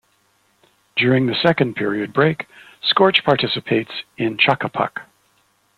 During the second period break, scorch participates in chuck a puck.